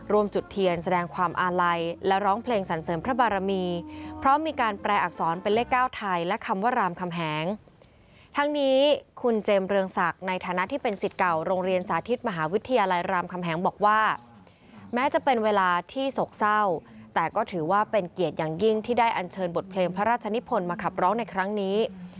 บอกว่าแม้จะเป็นเวลาที่โศกเศร้าแต่ก็ถือว่าเป็นเกียรติอย่างยิ่งที่ได้อันเชิญบทเพลิงพระราชนิพนธ์มาขับร้องในครั้งนี้